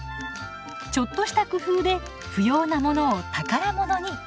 ちょっとした工夫で不要なものを宝物に。